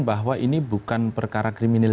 bahwa ini bukan perkara kriminal